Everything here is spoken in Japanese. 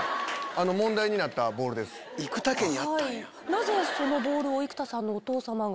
なぜそのボールを生田さんのお父さまが？